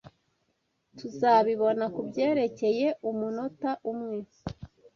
Tuzabibona kubyerekeye umunota umwe.